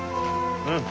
うん。